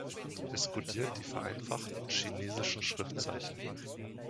Es kodiert die vereinfachten chinesischen Schriftzeichen.